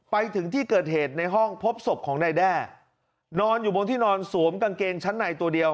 ไปถึงที่เกิดเหตุในห้องพบศพของนายแด้นอนอยู่บนที่นอนสวมกางเกงชั้นในตัวเดียว